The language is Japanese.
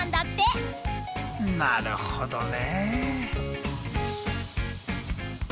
なるほどね。